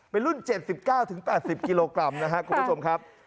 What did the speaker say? เป็นรุ่น๗๙๘๐กิโลกรัมนะครับคุณผู้ชมครับ